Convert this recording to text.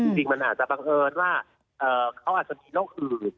จริงมันอาจจะบังเอิญว่าเขาอาจจะมีโรคอื่น